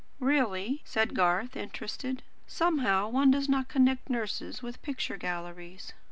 "Really?" said Garth, interested. "Somehow one does not connect nurses with picture galleries."